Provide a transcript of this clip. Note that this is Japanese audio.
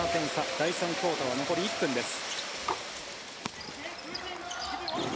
第３クオーターは残り１分です。